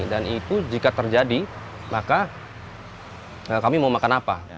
dan itu jika terjadi maka kami mau makan apa